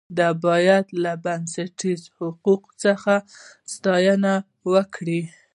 دا باید له بنسټیزو حقوقو څخه ساتنه وکړي.